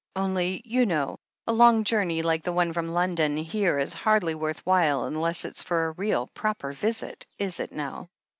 Only, you know, a long journey like the one from London here is hardly worth while unless it's for a real, proper visit, is it now?"